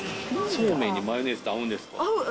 そうめんにマヨネーズって合うんですか？